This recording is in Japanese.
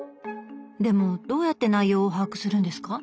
でもどうやって内容を把握するんですか？